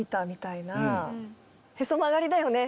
「へそ曲がりだよね」